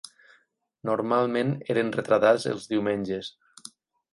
Normalment eren retratats els diumenges.